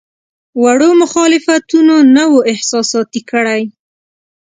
وړو مخالفتونو نه وو احساساتي کړی.